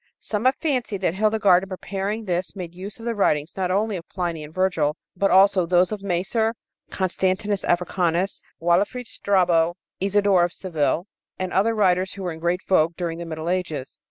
Some have fancied that Hildegard in preparing this made use of the writings not only of Pliny and Virgil, but also of those of Macer, Constantinus Africanus, Walafrid Strabo, Isodore of Seville, and other writers who were in great vogue during the Middle Ages.